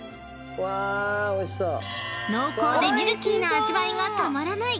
［濃厚でミルキーな味わいがたまらない！］